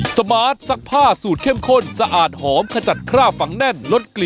สวัสดีค่ะข้าวใจไข่